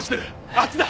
あっちだ！